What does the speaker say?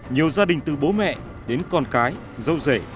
nhiều gia đình từ bố mẹ đến con cái dâu rể